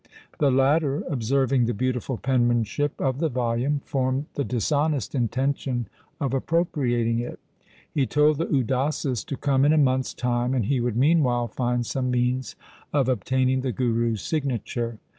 The latter observing the beautiful penmanship of the volume formed the dishonest intention of appro priating it. He told the Udasis to come in a month's time, and he would meanwhile find some means of obtaining the Guru's signature.